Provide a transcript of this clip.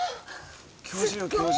教授よ教授。